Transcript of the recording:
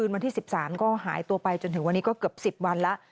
วันที่๑๓ก็หายตัวไปจนถึงวันนี้ก็เกือบ๑๐วันแล้ว